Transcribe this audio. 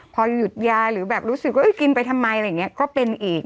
พอหยุดยาหรือแบบรู้สึกว่ากินไปทำไมอะไรอย่างนี้ก็เป็นอีก